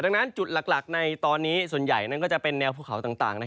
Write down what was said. ดังนั้นจุดหลักในตอนนี้ส่วนใหญ่นั้นก็จะเป็นแนวภูเขาต่าง